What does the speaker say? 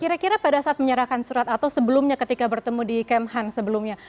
kira kira pada saat menyerahkan surat atau sebelumnya ketika bertemu di kemhan sebelumnya